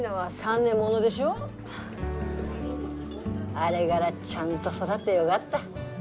あれがらちゃんと育ってよがった。